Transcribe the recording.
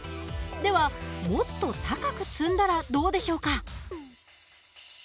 ではもっと高く積んだらどうでしょうか？